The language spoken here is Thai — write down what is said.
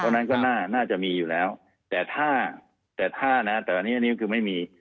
ตรงนั้นก็น่าจะมีอยู่แล้วแต่ถ้านะแต่อันนี้ก็คือไม่มี